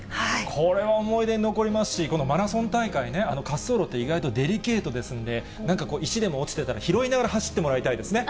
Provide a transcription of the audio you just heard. これは思い出に残りますし、このマラソン大会ね、滑走路って意外とデリケートですんで、なんかこう石でも落ちてたら、拾いながら走ってもらいたいですね。